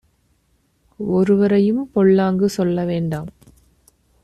ஒருவரையும் பொல்லாங்கு சொல்ல வேண்டாம்